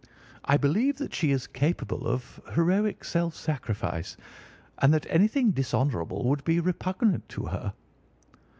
I believe that she is capable of heroic self sacrifice and that anything dishonourable would be repugnant to her."